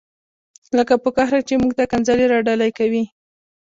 لکه په قهر کې چې موږ ته ښکنځلې را ډالۍ کوي.